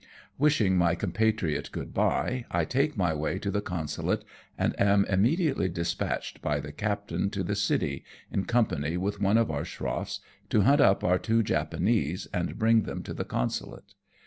Wishing my compatriot good bye, T take my way to the Consulate, and am immediately dispatched by the captain to the city, in company with one of our schrofFs, to hunt up our two Japanese, and bring them to the Consulate.